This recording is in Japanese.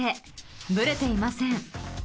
ブレていません。